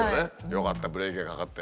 よかったブレーキがかかって。